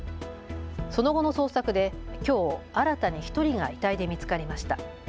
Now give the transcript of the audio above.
その後の捜索できょう新たに１人が遺体で見つかりました。